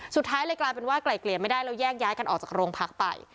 สุดท้ายเลยกลายเป็นว่าไกลเกลี่ยไม่ได้แล้วแยกย้ายกันออกจากโรงพักไป